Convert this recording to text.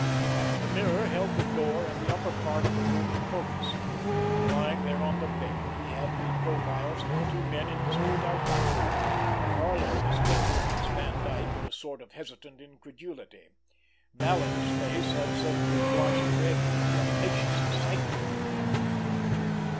The mirror held the door and the upper part of the room in focus; and, lying there on the bed, he had the profiles of the two men in distinct outline. Karlin was fingering his Vandyke in a sort of hesitant incredulity. Vallon's face had suddenly blotched red with rapacious excitement.